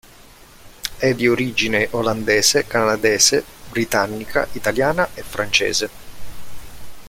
È di origine olandese, canadese, britannica, italiana e francese.